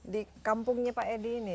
di kampungnya pak edi ini